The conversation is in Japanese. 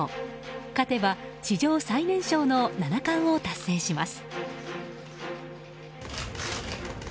勝てば史上最年少の七冠を達成します。